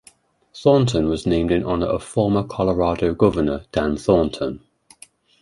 Thornton was named in honor of Former Colorado Governor Dan Thornton.